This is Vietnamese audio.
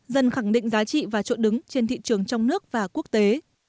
dần khẳng định giá trị và chỗ đứng trên thị trường trong nước và quốc tế